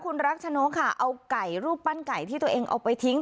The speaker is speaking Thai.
คุณรักชนกค่ะเอาไก่รูปปั้นไก่ที่ตัวเองเอาไปทิ้ง